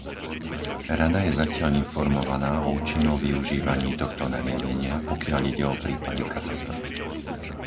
Rada je zatiaľ informovaná o účinnom využívaní tohto nariadenia, pokiaľ ide o prípady katastrof.